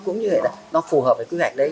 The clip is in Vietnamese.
cũng như là nó phù hợp với quy hoạch đấy